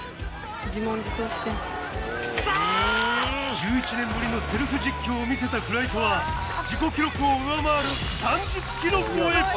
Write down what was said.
１１年ぶりのセルフ実況を見せたフライトは自己記録を上回る３０ｋｍ超え！